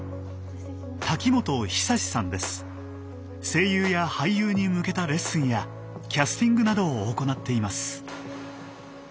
声優や俳優に向けたレッスンやキャスティングなどを行っています。